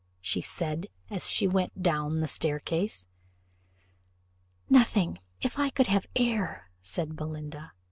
said she, as she went down the staircase. "Nothing, if I could have air," said Belinda.